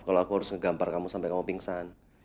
kalau aku harus ngegampar kamu sampai kamu pingsan